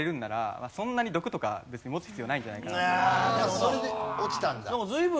それで落ちたんだ。